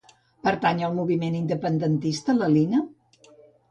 Pertany al moviment independentista la Lina?